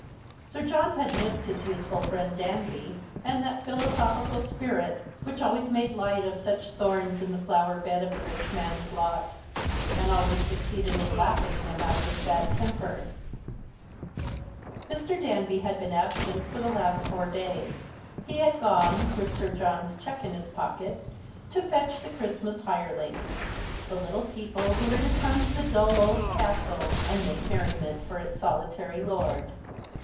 Sir John had missed his useful friend Danby, and that philosophical spirit which always made light of such 86 The Chrlstmas Hirelings. thorns in the flower bed of a rich man's lot, and always succeeded in laughing him out of his bad temper. Mr. Danby had been absent for the last four days. He had gone, with 8ir John's cheque in his pocket, to fetch the Christmas hirelings ; the little people who were to come to the dull old castle and make merri ment for its solitary lord.